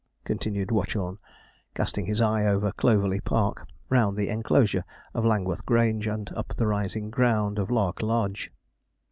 continued Watchorn, casting his eye over Cloverly Park, round the enclosure of Langworth Grange, and up the rising ground of Lark Lodge.